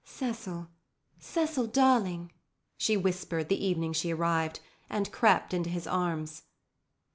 "Cecil—Cecil darling," she whispered the evening she arrived, and crept into his arms.